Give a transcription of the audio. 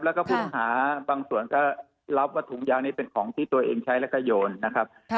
แล้วก็ผู้ต้องหาบางส่วนก็รับว่าถุงยางนี้เป็นของที่ตัวเองใช้แล้วก็โยนนะครับ